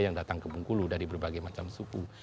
yang datang ke bengkulu dari berbagai macam suku